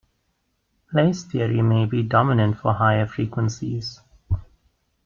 Place theory may be dominant for higher frequencies.